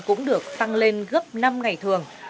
cũng được tăng lên gấp năm ngày thường